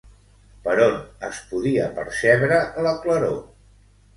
Per on es podia percebre la claror?